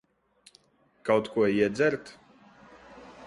Kaut ko iedzert?